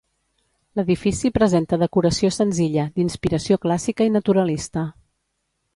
L'edifici presenta decoració senzilla, d'inspiració clàssica i naturalista.